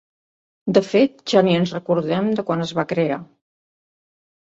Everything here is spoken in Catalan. De fet, ja ni ens recordem de quan es va crear.